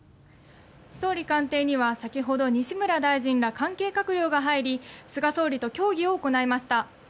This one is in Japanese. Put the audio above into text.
総理官邸には先ほど西村大臣ら関係閣僚が入り菅総理と協議を行いました。